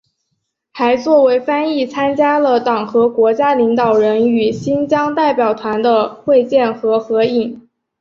还作为翻译参加了党和国家领导人与新疆代表团的会见和合影。